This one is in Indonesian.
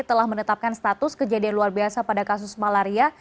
telah menetapkan status kejadian luar biasa pada kasus malaria